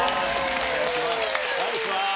お願いします。